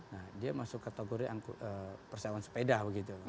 nah dia masuk kategori persewan sepeda